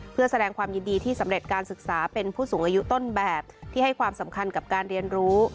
เพื่อแสดงความยินดีที่สำเร็จการศึกษาเป็นผู้สูงอายุต้นแบบที่ให้ความสำคัญกับการเรียนรู้